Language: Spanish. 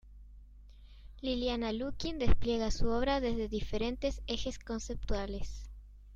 Liliana Lukin despliega su obra desde diferentes ejes conceptuales.